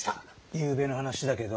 ゆうべの話だけど。